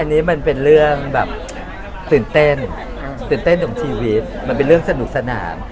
อันนี้มันเป็นเรื่องแบบตื่นเต้นตื่นเต้นของชีวิตมันเป็นเรื่องสนุกสนาน